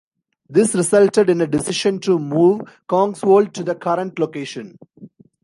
This resulted in a decision to move Kongsvold to the current location.